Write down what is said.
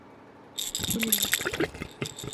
كل اللحم.